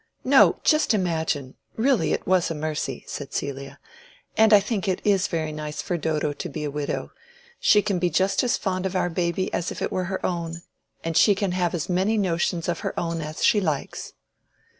"No! just imagine! Really it was a mercy," said Celia; "and I think it is very nice for Dodo to be a widow. She can be just as fond of our baby as if it were her own, and she can have as many notions of her own as she likes."